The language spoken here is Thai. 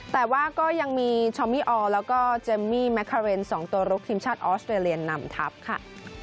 แต่ว่าก็ยังมีชอมมี่อแล้วก็เจมมี่แมคาเรน๒ตัวลุกทีมชาติออสเตรเลียนำทัพค่ะ